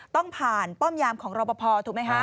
ต้องผ่านป้อมยามของรอปภถูกไหมคะ